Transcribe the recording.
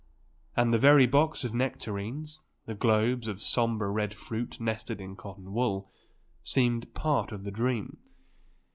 And the very box of nectarines, the globes of sombre red fruit nested in cotton wool, seemed part of the dream.